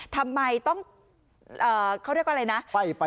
ทำไมต้องเขาเรียกว่าอะไรนะ